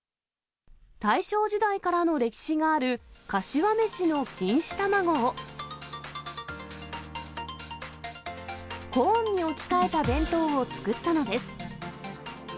大正時代からの歴史があるかしわめしの錦糸卵を、コーンに置き換えた弁当を作ったのです。